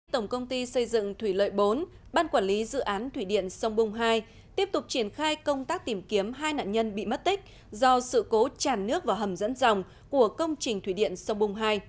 tổng công ty xây dựng thủy lợi bốn ban quản lý dự án thủy điện sông bung hai tiếp tục triển khai công tác tìm kiếm hai nạn nhân bị mất tích do sự cố tràn nước vào hầm dẫn dòng của công trình thủy điện sông bung hai